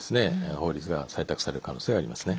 法律が採択される可能性がありますね。